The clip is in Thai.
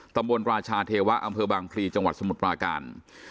ราชาเทวะอำเภอบางพลีจังหวัดสมุทรปราการ